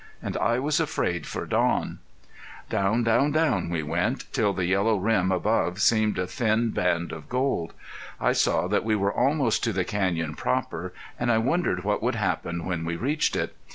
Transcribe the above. And I was afraid for Don. Down, down, down, we went, till the yellow rim above seemed a thin band of gold. I saw that we were almost to the canyon proper, and I wondered what would happen when we reached it.